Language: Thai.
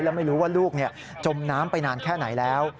แล้วไม่รู้ว่าลูกจมน้ำไปนานแค่ไหนแล้ว